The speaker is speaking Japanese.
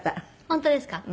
本当ですか？